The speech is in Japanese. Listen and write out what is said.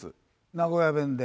名古屋弁で？